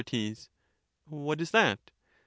Soc, What is that ?